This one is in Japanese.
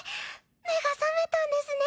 目が覚めたんですね。